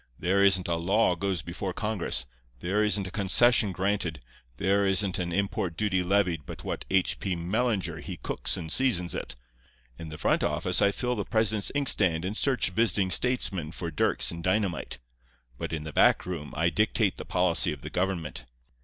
There isn't a law goes before Congress, there isn't a concession granted, there isn't an import duty levied but what H. P. Mellinger he cooks and seasons it. In the front office I fill the president's inkstand and search visiting statesmen for dirks and dynamite; but in the back room I dictate the policy of the government.